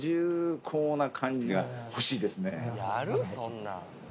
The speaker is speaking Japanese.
そんなん。